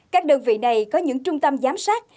các đơn vị này có những trung tâm giám sát